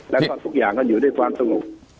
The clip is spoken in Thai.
แล้วก็ทุกอย่างก็อยู่ด้วยความสงบ